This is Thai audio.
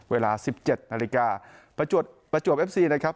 เวลาสิบเจ็ดนาฬิกาประจวบประจวบเอฟซีนะครับ